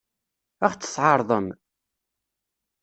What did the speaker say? Ad ɣ-t-tɛeṛḍem?